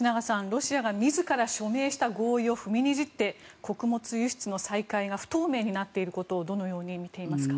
ロシアが自ら署名した合意を踏みにじって、穀物輸出の再開が不透明になっていることをどのように見ていますか？